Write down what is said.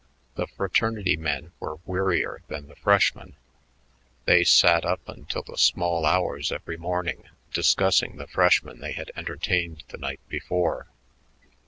The fraternity men were wearier than the freshmen. They sat up until the small hours every morning discussing the freshmen they had entertained the night before.